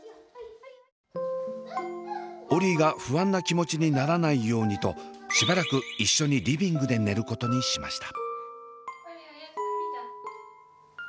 オリィが不安な気持ちにならないようにとしばらく一緒にリビングで寝ることにしました。